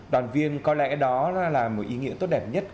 đoàn viên có lẽ đó là một ý nghĩa tốt đẹp nhất